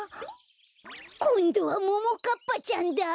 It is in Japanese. こんどはももかっぱちゃんだ！